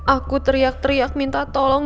aku teriak teriak minta tolong